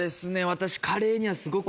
私？